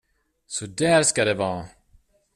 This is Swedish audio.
Så där ska det vara!